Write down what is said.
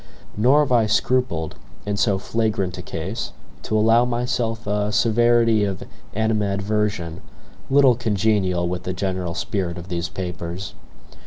Nor have I scrupled, in so flagrant a case, to allow myself a severity of animadversion little congenial with the general spirit of these papers.